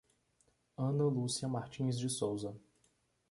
Ana Lucia Martins de Souza